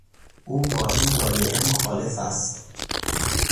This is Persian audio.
او با این لایحه مخالف است.